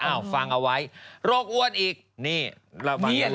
อ้าวฟังเอาไว้โรคอ้วนอีกนี่เราฟังให้ดูแล